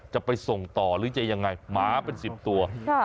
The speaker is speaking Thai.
จะไปส่งต่อหรือจะยังไงหมาเป็น๑๐ตัว